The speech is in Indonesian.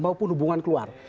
maupun hubungan keluar